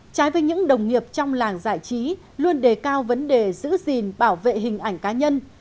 trái với những đồng nghiệp trong làng giải trí luôn đề cao vấn đề giữ gìn bảo vệ hình ảnh cá nhân